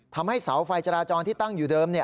ทำให้เสาไฟจราจรที่ตั้งอยู่เดิม